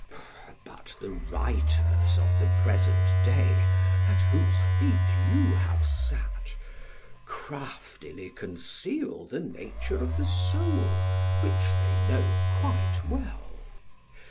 But the writers of the present day, at whose feet you have sat, craftily conceal the nature of the soul which they know quite well.